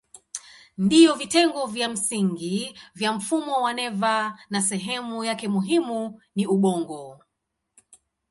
Ndiyo vitengo vya msingi vya mfumo wa neva na sehemu yake muhimu ni ubongo.